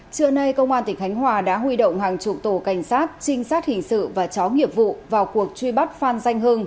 trưa nay công an tỉnh khánh hòa đã huy động hàng chục tổ cảnh sát trinh sát hình sự và chó nghiệp vụ vào cuộc truy bắt phan danh hưng